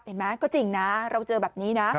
เห็นไหมก็จริงนะเราเจอแบบนี้นะ